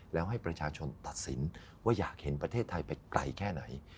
แล้วให้ประชาชนตัดสินว่าอยากเห็นประเทศไทยไปไกลแค่ไหน